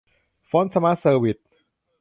ฟอร์ท สมาร์ท เซอร์วิส